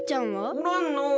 おらんのう。